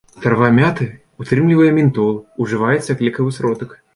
Трава мяты ўтрымлівае ментол, ужываецца як лекавы сродак.